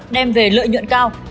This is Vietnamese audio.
đem về lợi nhuận cao